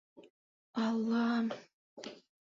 Аллам...